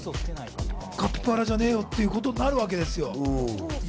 カピバラじゃねえよ！ってことになるんですよ。